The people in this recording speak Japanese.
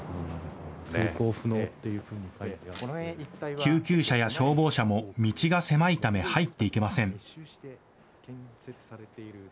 救急車や消防車も、道が狭いため入っていけません。